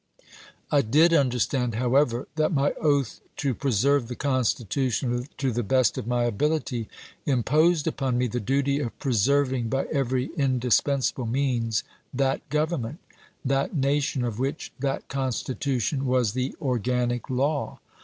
I did understand, however, that my oath to preserve the Constitution to the best of my ability im posed upon me the duty of preserving, by every indispens able means, that Government — that nation, of which that Constitution was the organic law.